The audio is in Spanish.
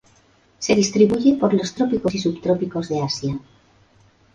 Se distribuye por los trópicos y subtrópicos de Asia.